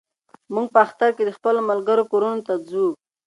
موږ په اختر کې د خپلو ملګرو کورونو ته ځو.